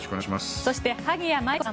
そして萩谷麻衣子さん